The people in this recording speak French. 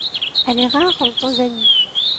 Elle est rare en Tanzanie.